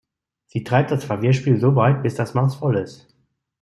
Sie treibt das Verwirrspiel so weit, bis das Maß voll ist.